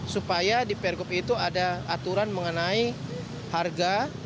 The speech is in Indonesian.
supaya di per gub itu ada aturan mengenai harga